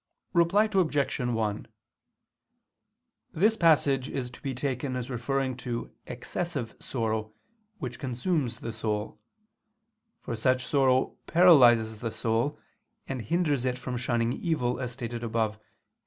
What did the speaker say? Reply Obj. 1: This passage is to be taken as referring to excessive sorrow, which consumes the soul: for such sorrow paralyzes the soul, and hinders it from shunning evil, as stated above (Q.